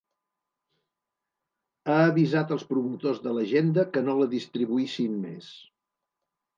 Ha avisat els promotors de l’agenda que no la distribuïssin més.